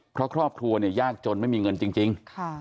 เพราะครอบครัวเนี่ยยากจนไม่มีเงินจริง